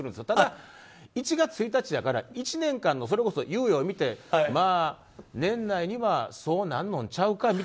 ただ、１月１日だから１年間の猶予を見てまあ、年内にはそうなんのちゃうか？